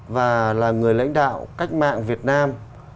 và là người lãnh đạo cách mạng việt nam